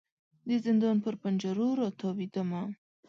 د زندان پر پنجرو را تاویدمه